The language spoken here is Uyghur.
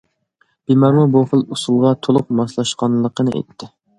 بىمارمۇ بۇ خىل ئۇسۇلغا تولۇق ماسلاشقانلىقىنى ئېيتتى.